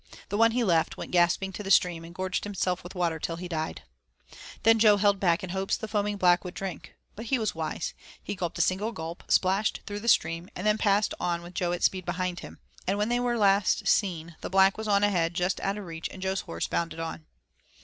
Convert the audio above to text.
The one he left went gasping to the stream and gorged himself with water till he died. Then Jo held back in hopes the foaming Black would drink. But he was wise; he gulped a single gulp, splashed through the stream and then passed on with Jo at speed behind him. And when they last were seen the Black was on ahead just out of reach and Jo's horse bounding on.